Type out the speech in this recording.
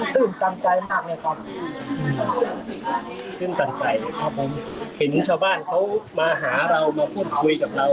ตื่นตันใจมากเลยครับตื่นตันใจครับผมเห็นชาวบ้านเขามาหาเรามาพูดคุยกับเรา